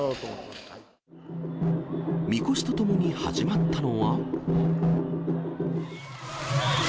みこしとともに始まったのは。